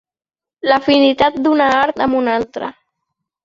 L'afinitat d'una art amb una altra.